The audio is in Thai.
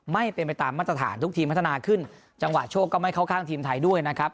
ไม่เป็นไปตามมาตรฐานทุกทีมพัฒนาขึ้นจังหวะโชคก็ไม่เข้าข้างทีมไทยด้วยนะครับ